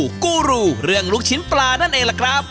กูรูเรื่องลูกชิ้นปลานั่นเองล่ะครับ